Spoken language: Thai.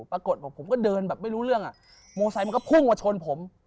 ปรากฏบอกผมก็เดินแบบไม่รู้เรื่องอ่ะโมไซค์มันก็พุ่งมาชนผม